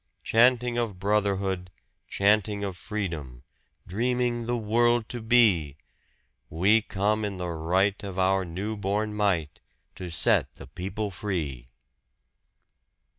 Chanting of brotherhood, chanting of freedom, dreaming the world to be We come in the right of our new born might to set the people free!